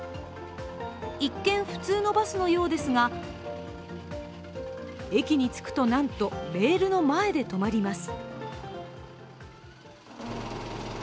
一見、普通のバスのようですが駅に着くと、なんとレールの前で止まります。